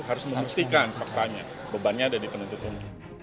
harus membuktikan faktanya bebannya ada di penuntut umum